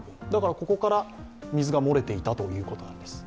ここから水が漏れていたということなんです。